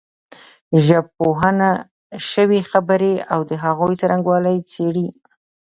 ژبپوهنه شوې خبرې او د هغوی څرنګوالی څېړي